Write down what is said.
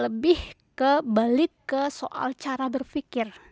lebih ke balik ke soal cara berpikir